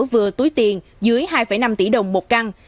vừa túi tiền dưới hai năm tỷ đồng một căn